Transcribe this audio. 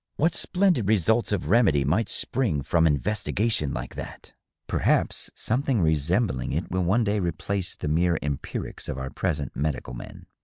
What splendid results of remedy might spring from investigation like that ! Perhaps some thing resembling it will one day replace the mere empirics of our present medical men.